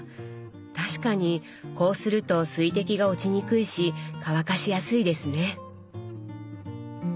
確かにこうすると水滴が落ちにくいし乾かしやすいですね。